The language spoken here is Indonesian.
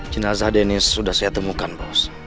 jenazah dennis sudah saya temukan bos